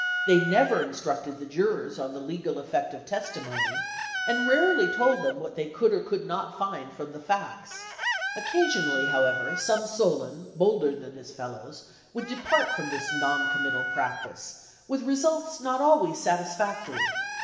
They never instructed the jurors on the legal effect of testi mony, and rarely told them what they could or could not find from the facts. Occasionally, however, some Solon, bolder than his fellows, 67 LINCOLN THE LAWYER would depart from this noncommittal practice, with results not always satisfactory.